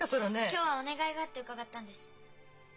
今日はお願いがあって伺ったんです。